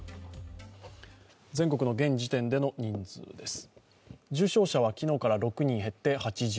全国の現時点での人数です。